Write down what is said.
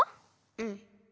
うん。